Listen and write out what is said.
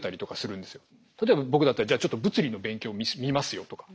例えば僕だったらじゃあちょっと物理の勉強を見ますよとか。